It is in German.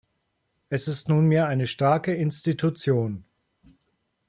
Es ist nunmehr eine starke Institution.